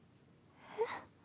えっ？